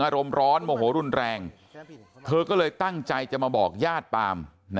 อารมณ์ร้อนโมโหรุนแรงเธอก็เลยตั้งใจจะมาบอกญาติปาม